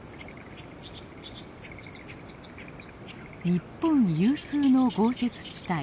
日本有数の豪雪地帯。